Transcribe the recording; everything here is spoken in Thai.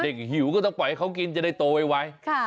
หิวก็ต้องปล่อยให้เขากินจะได้โตไว